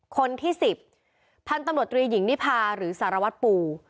คนที่๑๐พันธุ์ตำรวจตรีหญิงนิพาหรือสารวัตรปู